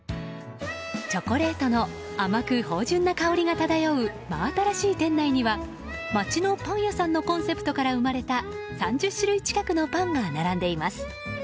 チョコレートの甘く芳醇な香りが漂う、真新しい店内には町のパン屋さんのコンセプトから生まれた３０種類近くのパンが並んでいます。